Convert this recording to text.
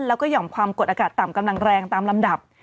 แล้วก็ห่อมความกดอากาศต่ำกำลังแรงตามลำดับ